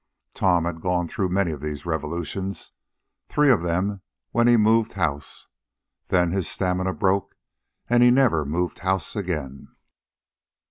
Tom had gone through many of these revolutions, three of them when he moved house. Then his stamina broke, and he never moved house again.